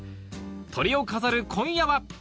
トリを飾る今夜は？